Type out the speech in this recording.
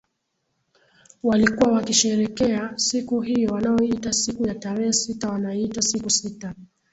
walikuwa wakisherekea siku hiyo wanaoita siku ya tarehe sita wanaiita siku sita